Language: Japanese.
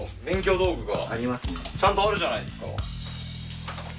ちゃんとあるじゃないですか。